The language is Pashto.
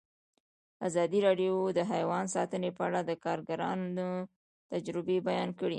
ازادي راډیو د حیوان ساتنه په اړه د کارګرانو تجربې بیان کړي.